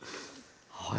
はい。